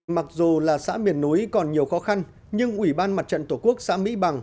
mặc dù là xã miền núi còn nhiều khó khăn nhưng ủy ban mặt trận tổ quốc xã mỹ bằng